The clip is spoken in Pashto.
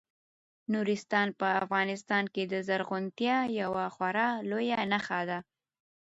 نورستان په افغانستان کې د زرغونتیا یوه خورا لویه نښه ده.